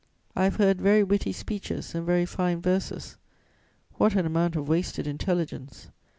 I have heard very witty speeches and very fine verses. What an amount of wasted intelligence!